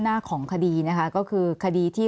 แอนตาซินเยลโรคกระเพาะอาหารท้องอืดจุกเสียดแสบร้อน